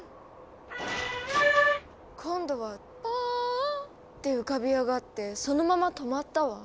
「パーア」今度は「パーア」って浮かび上がってそのまま止まったわ。